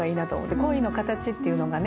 「恋の形」っていうのがね